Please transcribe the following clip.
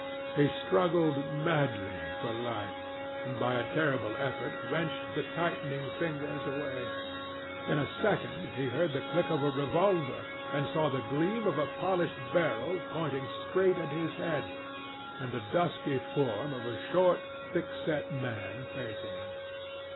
He struggled madly for life, and by a terrible effort wrenched the tightening fingers away. In a second he heard the click of a revolver, and saw the gleam of a polished barrel, pointing straight at his head, and the dusky form of a short, thick set man facing him.